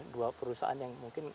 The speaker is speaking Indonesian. dua perusahaan yang mungkin